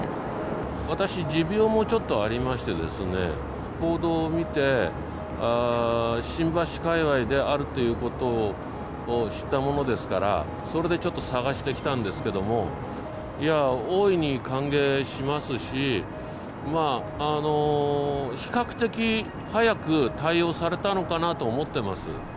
私、持病もちょっとありましてですね、報道を見て、新橋界わいであるということを知ったものですから、それでちょっと探して来たんですけども、大いに歓迎しますし、まあ、比較的早く、対応されたのかなと思ってます。